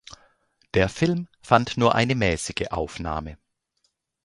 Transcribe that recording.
Der Film fand nur eine mäßige Aufnahme.